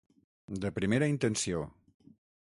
De primera intenció.